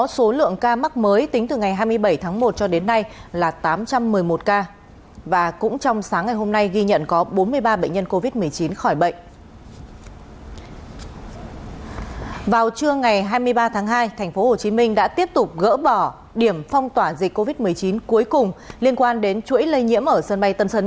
xin chào các bạn